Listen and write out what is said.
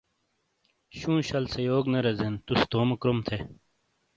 شُوں شَل سے یوک نہ رَزین، تُوسے تومو کروم تھے۔